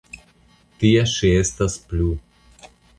Tia ŝi estas plu.